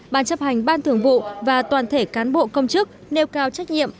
ban chấp hành ban thường vụ và toàn thể cán bộ công chức nêu cao trách nhiệm